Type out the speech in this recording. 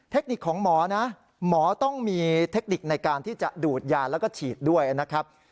เทคนิคของหมอนะหมอต้องมีเทคนิคในการที่จะดูดยาแล้วก็ฉีดด้วยนะครับ